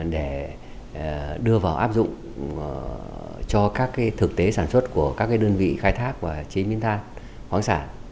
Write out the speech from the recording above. để đưa vào áp dụng cho các thực tế sản xuất của các đơn vị khai thác và chế biến than khoáng sản